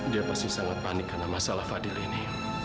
dia pasti sangat panik karena masalah fadil ini